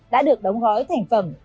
đã được đóng gói thành phẩm